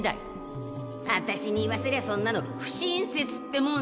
あたしに言わせりゃそんなの不親切ってもんさ。